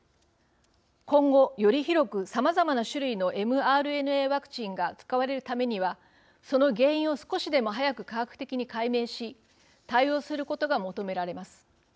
今後より広く、さまざまな種類のｍＲＮＡワクチンが使われるためにはその原因を少しでも早く科学的に解明し対応することが求められます。